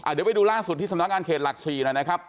เดี๋ยวไปดูล่าสุดที่สำนักงานเขตหลัก๔หน่อยนะครับ